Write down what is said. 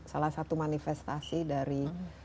salah satu manifestasi dari